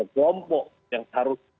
kelompok yang harus